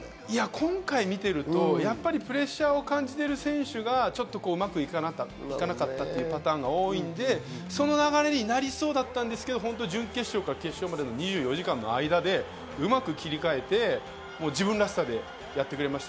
今回見ていると、プレッシャーを感じている選手がちょっとうまくいかなかったというパターンが多いのでその流れになりそうだったんですけど、準決勝から決勝までの２４時間の間でうまく切り替えて、自分らしさでやってくれました。